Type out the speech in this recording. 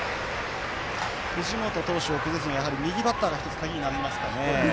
藤本投手を崩すには、やはり右バッターが１つ、鍵になりますかね。